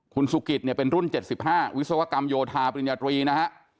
คุณสุกิตเนี่ยเป็นรุ่น๗๕วิศวกรรมโยธาปริญญาตรีนะฮะ